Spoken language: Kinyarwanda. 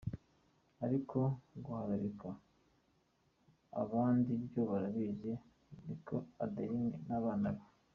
Aliko guharabika a bandibyo urabizi reku Adeline nabana be